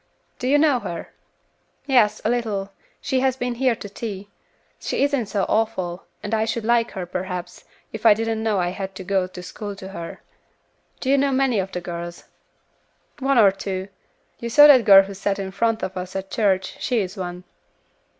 "Do you know her?" "Yes, a little; she has been here to tea. She isn't so awful, and I should like her, perhaps, if I didn't know I had to go to school to her." "Do you know many of the girls?" "One or two. You saw that girl who sat in front of us at church, she is one."